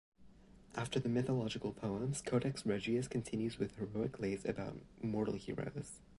After the mythological poems, Codex Regius continues with heroic lays about mortal heroes.